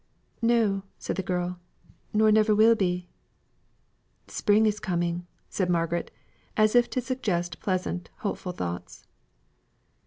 "No," said the girl, "nor never will be." "Spring is coming," said Margaret, as if to suggest pleasant, hopeful thoughts.